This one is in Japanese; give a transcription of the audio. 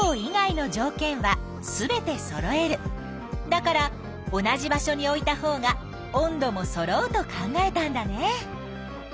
だから同じ場所に置いたほうが温度もそろうと考えたんだね。